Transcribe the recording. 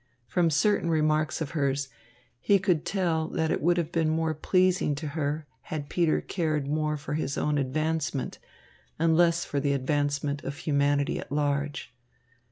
From certain remarks of hers, he could tell that it would have been more pleasing to her had Peter cared more for his own advancement and less for the advancement of humanity at large.